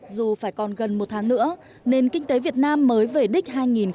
dù phải còn gần một tháng nữa nên kinh tế việt nam mới về đích hai nghìn một mươi tám